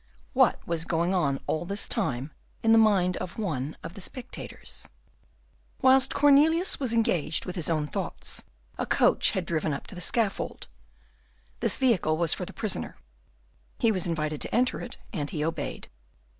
What was going on all this Time in the Mind of one of the Spectators Whilst Cornelius was engaged with his own thoughts, a coach had driven up to the scaffold. This vehicle was for the prisoner. He was invited to enter it, and he obeyed.